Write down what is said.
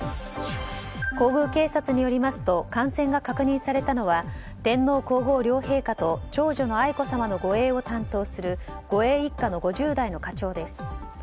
皇宮警察によりますと感染が確認されたのは天皇・皇后両陛下と長女の愛子さまの護衛を担当する護衛１課の５０代の課長です。